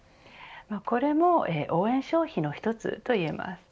これも応援消費の一つといえます。